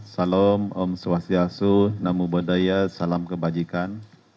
salam om swastiastu namo buddhaya salam kebajikan